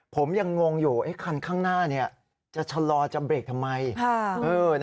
ผมยังงงอยู่คันข้างหน้าจะชะลอจะเบรกทำไม